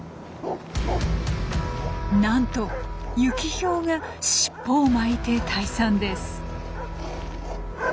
なんとユキヒョウがしっぽを巻いて退散です。